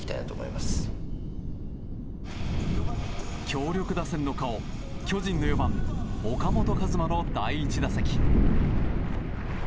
強力打線の顔、巨人の４番岡本和真の第１打席。